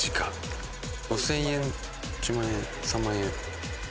５０００円１万円３万円